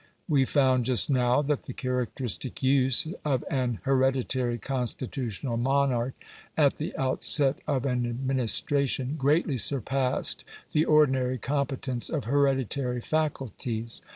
We found just now that the characteristic use of an hereditary constitutional monarch, at the outset of an administration, greatly surpassed the ordinary competence of hereditary faculties.